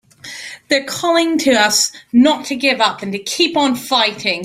They're calling to us not to give up and to keep on fighting!